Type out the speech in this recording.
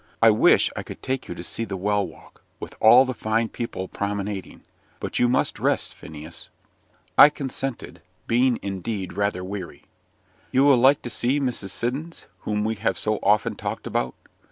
I wish I could take you to see the "Well walk," with all the fine people promenading. But you must rest, Phineas." I consented, being indeed rather weary. "You will like to see Mrs. Siddons, whom we have so often talked about?